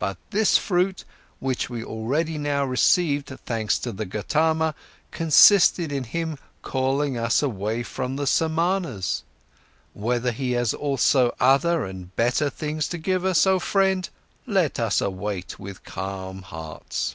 But this fruit, which we already now received thanks to the Gotama, consisted in him calling us away from the Samanas! Whether he has also other and better things to give us, oh friend, let us await with calm hearts."